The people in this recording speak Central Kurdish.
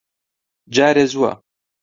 جارێ زووە.